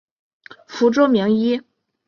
福州名医。